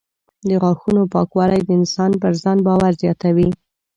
د غاښونو پاکوالی د انسان پر ځان باور زیاتوي.